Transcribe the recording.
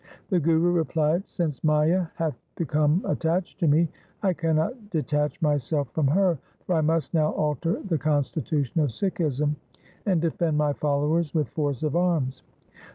The Guru replied, ' Since Maya hath become attached to me, I cannot detach myself from her, for I must now alter the constitution of Sikhism and defend my followers with force of arms.'